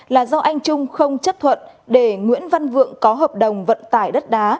là do anh trung không chấp thuận để nguyễn văn vượng có hợp đồng vận tải đất đá